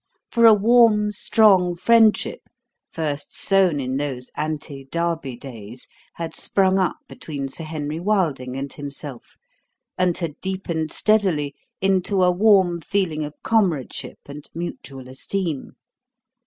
For a warm, strong friendship first sown in those ante Derby days had sprung up between Sir Henry Wilding and himself and had deepened steadily into a warm feeling of comradeship and mutual esteem.